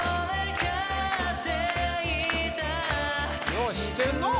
よう知ってんなあ・